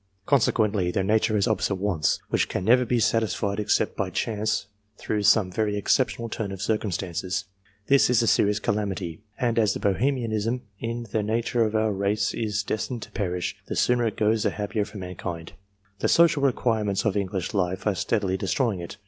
Conse quently their nature has opposite wants, which can never be satisfied except by chance, through some very excep tional turn of circumstances. This is a serious calamity, OF DIFFERENT RACES 335 and as the Bohemianism in the nature of our race is des tined to perish, the sooner it goes the happier for mankind. The social requirements of English life are steadily de stroying it.